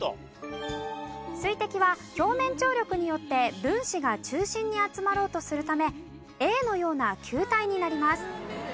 水滴は表面張力によって分子が中心に集まろうとするためＡのような球体になります。